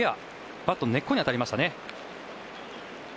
バットの根っこに当たりましたね。